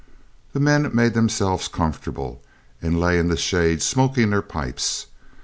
The men made themselves comfortable, and lay in the shade smoking their pipes.